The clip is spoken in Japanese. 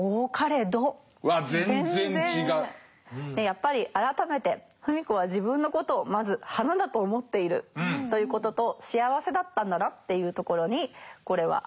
やっぱり改めて芙美子は自分のことをまず花だと思っているということと幸せだったんだなっていうところにこれは表れてると思います。